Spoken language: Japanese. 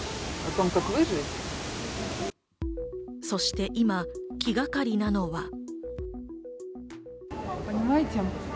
そして今、気がかりなのは。